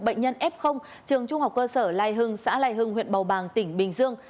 bệnh nhân f trường trung học cơ sở lai hưng xã lai hưng huyện bầu bàng tỉnh bình dương